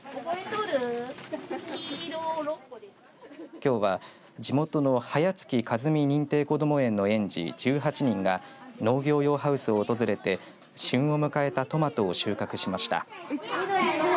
きょうは地元の早月加積認定こども園の園児１８人が農業用ハウスを訪れて旬を迎えたトマトを収穫しました。